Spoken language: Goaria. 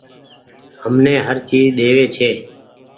همني هر چئيز ۮيوي ڇي